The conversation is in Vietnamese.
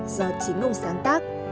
do chính ông sáng tác